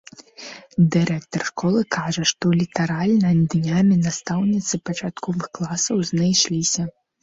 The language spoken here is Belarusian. Дырэктар школы кажа, што літаральна днямі настаўніцы пачатковых класаў знайшліся.